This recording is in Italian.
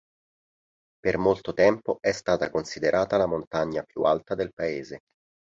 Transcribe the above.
Per molto tempo è stata considerata la montagna più alta del Paese.